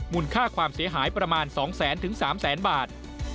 มูลค่าความเสียหายประมาณ๒๐๐ถึง๓๐๐บาท